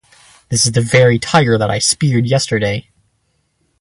This is the very tiger that I speared yesterday.